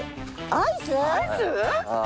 アイス！？